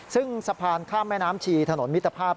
ซึ่งสะพานข้ามแม่น้ำชีถนนมิตรภาพ